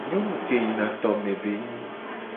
Nyonu ke yina tome be nyi.